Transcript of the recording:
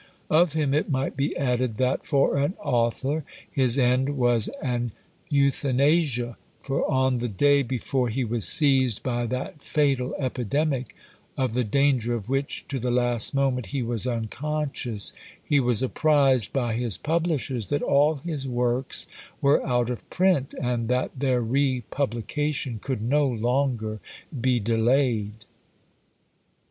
Of him it might be added that, for an author, his end was an euthanasia, for on the day before he was seized by that fatal epidemic, of the danger of which, to the last moment, he was unconscious, he was apprised by his publishers, that all his works were out of print, and that their re publication could no longer be delayed.